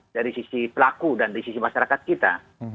dari sisi pelaku dan di sisi masyarakat kita